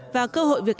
và cơ hội việc làm việc